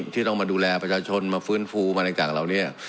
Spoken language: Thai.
ที่ต้องมาดูแลประชาชนมาฟื้นฟูมาตั้งแต่กับเรานี้